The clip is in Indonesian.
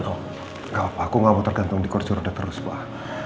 gak apa apa aku gak mau tergantung di kursi roda terus pak